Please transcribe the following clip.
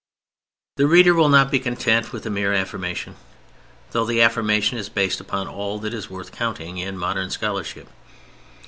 The reader will not be content with a mere affirmation, though the affirmation is based upon all that is worth counting in modern scholarship.